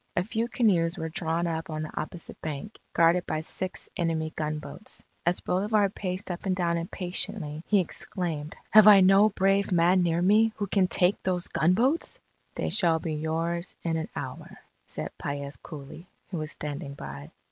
A few canoes were drawn up on the opposite bank, guarded by six enemy gunboats. As Bolivar paced up and down impatiently, he exclaimed: "Have I no brave man near me, who can take those gunboats?" "They shall be yours in an hour," said Paez coolly, who was standing by.